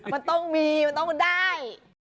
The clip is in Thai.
มันต้องมีมันต้องได้